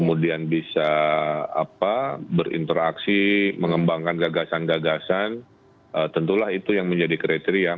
kemudian bisa berinteraksi mengembangkan gagasan gagasan tentulah itu yang menjadi kriteria